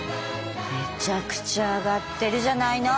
めちゃくちゃ上がってるじゃないの！